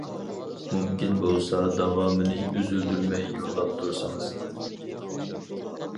مۇمكىن بولسا داۋامىنى ئۈزۈلدۈرمەي يوللاپ تۇرسىڭىز.